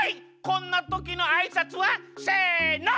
こんなときのあいさつは？せの！